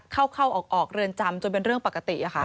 เข้าเข้าออกเรือนจำจนเป็นเรื่องปกติ